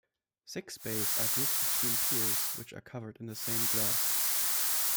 Six bays are grouped between piers which are covered in the same glass.